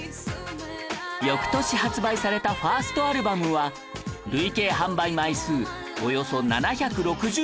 翌年発売されたファーストアルバムは累計販売枚数およそ７６０万枚以上